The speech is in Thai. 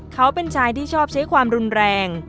เขาเป็นชายที่ชอบใช้ความรุนแรง